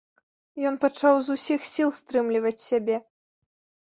Ён пачаў з усіх сіл стрымліваць сябе.